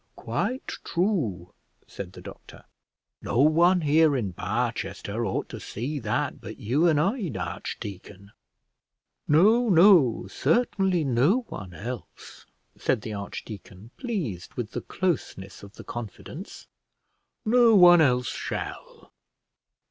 "Quite true," said the doctor. "No one here in Barchester ought to see that but you and I, archdeacon." "No, no, certainly no one else," said the archdeacon, pleased with the closeness of the confidence; "no one else shall."